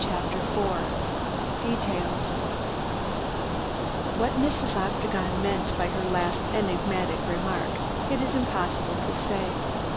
CHAPTER IV DETAILS What Mrs. Octagon meant by her last enigmatic remark it is impossible to say.